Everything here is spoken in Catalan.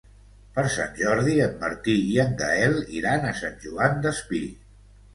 Per Sant Jordi en Martí i en Gaël iran a Sant Joan Despí.